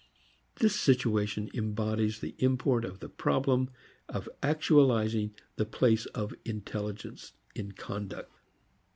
This situation embodies the import of the problem of actualizing the place of intelligence in conduct.